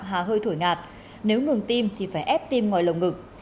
hà hơi thổi ngạt nếu ngừng tim thì phải ép tim ngoài lồng ngực